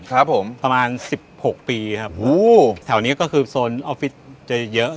ครับผมประมาณสิบหกปีครับโอ้แถวนี้ก็คือโซนออฟฟิศจะเยอะ